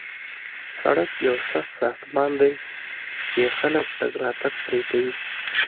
سړک یو سخت ساختمان دی چې خلک تګ راتګ پرې کوي